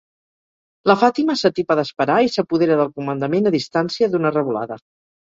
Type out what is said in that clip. La Fàtima s'atipa d'esperar i s'apodera del comandament a distància d'una revolada.